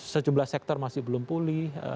sejumlah sektor masih belum pulih